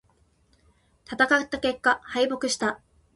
戦った結果、敗北した。